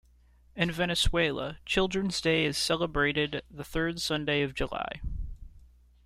In Venezuela, Children's Day is celebrated the third Sunday of July.